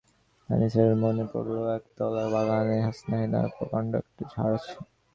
আনিসের মনে পড়ল একতলার বাগানে হাস্নাহেনার প্রকাণ্ড একটা ঝাড় আছে।